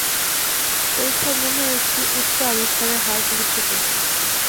পরীক্ষার জন্য একটি উচ্চ আবিষ্কারের হার গুরুত্বপূর্ণ।